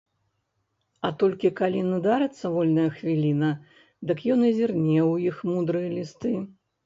А толькі калі надарыцца вольная хвіліна, дык ён і зірне ў іх мудрыя лісты.